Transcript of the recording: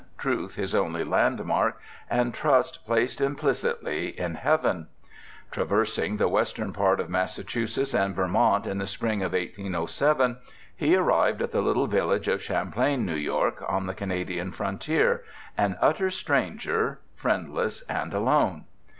Truth his only landmark, and trust placed implicitl}'' in Heaven. Traversing the western part of Massachusetts and Vermont in the spring of 1807 he arrived at the little village of Champlain, N. Y.. on the Canada frontier — an utter stranger, friendless and alone.